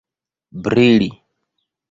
brili